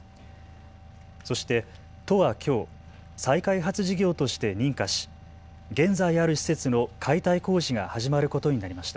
そして都はきょう、再開発事業として認可し現在ある施設の解体工事が始まることになりました。